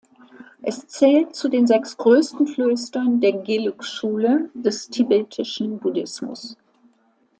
Es zählt zu den sechs größten Klöstern der Gelug-Schule des tibetischen Buddhismus.